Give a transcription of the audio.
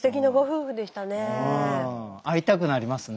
うん会いたくなりますね。